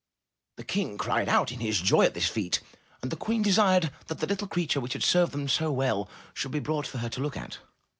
The King cried out in his joy at this feat, and the Queen desired that the little creature which had served them so well, should be brought for her to look at.